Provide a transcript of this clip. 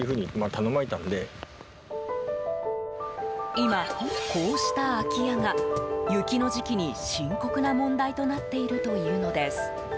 今、こうした空き家が雪の時期に深刻な問題となっているというのです。